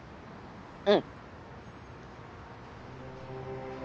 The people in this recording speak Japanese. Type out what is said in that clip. うん。